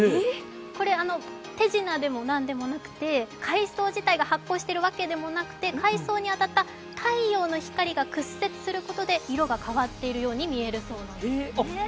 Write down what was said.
これ、手品でも何でもなくて海藻自体が発光しているわけではなくて海藻に当たった太陽の光が屈折することで色が変わっているように見えるそうなんです。